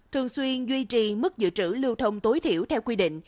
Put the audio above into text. thường xuyên duy trì mức dự trữ lưu thông tối thiểu theo quy định